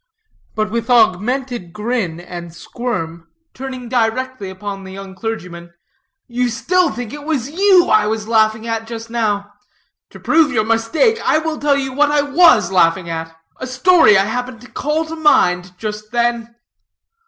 But with augmented grin and squirm, turning directly upon the young clergyman, "you still think it was you I was laughing at, just now. To prove your mistake, I will tell you what I was laughing at; a story I happened to call to mind just then."